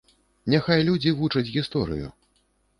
Няхай людзі вучаць гісторыю.